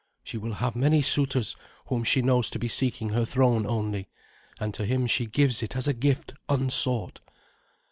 She will have many suitors whom she knows to be seeking her throne only, and to him she gives it as a gift unsought."